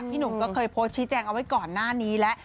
หนุ่มก็เคยโพสต์ชี้แจงเอาไว้ก่อนหน้านี้แล้ว